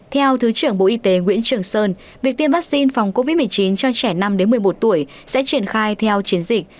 theo thứ trưởng bộ y tế nguyễn trường sơn việc tiêm vaccine phòng covid một mươi chín cho trẻ năm một mươi một tuổi sẽ triển khai theo chiến dịch